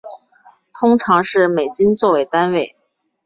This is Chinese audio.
通常是美金做为单位。